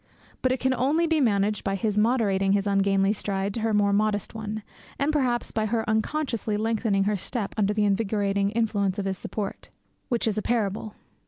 But it can only be managed by his moderating his ungainly stride to her more modest one, and, perhaps, by her unconsciously lengthening her step under the invigorating influence of his support. Which is a parable.